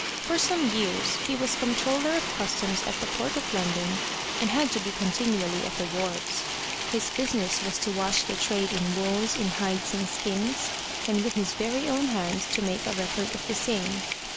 For some years he was 82 THE LATCH KEY Comptroller of Customs at the Port of London and had to be continually at the wharves. His business was to watch the trade in wools, in hides and skins, and with his very own hands to make a record of the same.